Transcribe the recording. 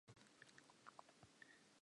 Sheba hore o badile mabitso a makae?